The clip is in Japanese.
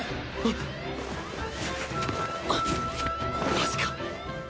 マジか。